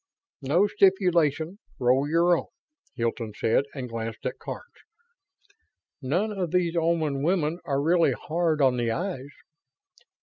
"No stipulation; roll your own," Hilton said, and glanced at Karns. "None of these Oman women are really hard on the eyes."